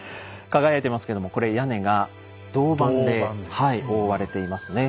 輝いてますけどもこれ屋根が銅板で覆われていますね。